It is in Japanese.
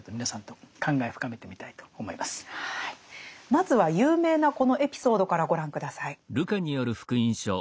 まずは有名なこのエピソードからご覧下さい。